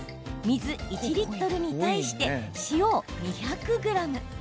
水１リットルに対して塩を２００ｇ。